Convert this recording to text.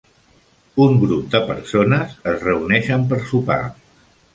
Un grup de persones es reuneixen per sopar.